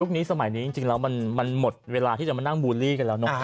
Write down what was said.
นี้สมัยนี้จริงแล้วมันหมดเวลาที่จะมานั่งบูลลี่กันแล้วเนาะ